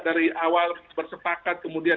dari awal bersepakat kemudian